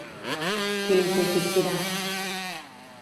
Qui més hi assistirà?